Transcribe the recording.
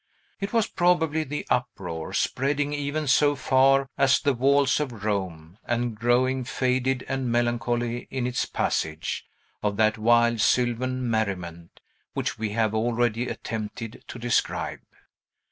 It was probably the uproar spreading even so far as the walls of Rome, and growing faded and melancholy in its passage of that wild sylvan merriment, which we have already attempted to describe.